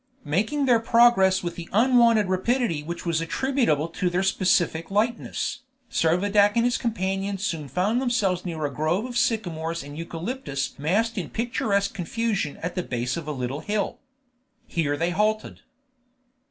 Making their progress with the unwonted rapidity which was attributable to their specific lightness, Servadac and his companions soon found themselves near a grove of sycamores and eucalyptus massed in picturesque confusion at the base of a little hill. Here they halted.